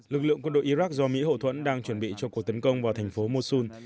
lực lượng quân đội iraq do mỹ hậu thuẫn đang chuẩn bị cho cuộc tấn công vào thành phố mosul